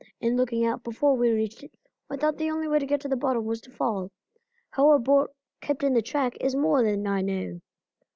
In looking out, before we reached it, I thought the only way to get to the bottom was to fall. How our boat kept in the track is more than I know.